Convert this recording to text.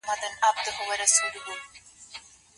ايا مريی د منځګړيتوب صلاحيت لري؟